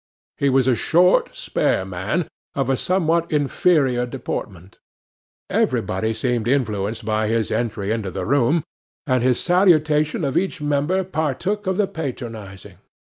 He was a short, spare man, of a somewhat inferior deportment. Everybody seemed influenced by his entry into the room, and his salutation of each member partook of the patronizing.